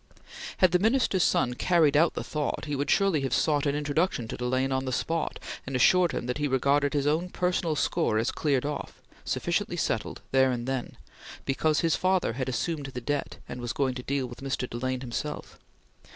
Had the Minister's son carried out the thought, he would surely have sought an introduction to Delane on the spot, and assured him that he regarded his own personal score as cleared off sufficiently settled, then and there because his father had assumed the debt, and was going to deal with Mr. Delane himself.